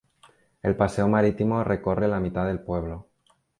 El paseo marítimo recorre la mitad del pueblo.